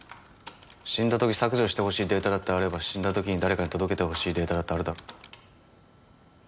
死んだ時削除してほしいデータだってあれば死んだ時に誰かに届けてほしいデータだってあるだろう。